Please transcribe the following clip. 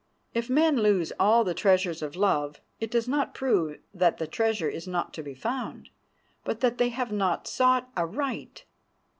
If men lose all the treasures of love, it does not prove that the treasure is not to be found, but that they have not sought aright.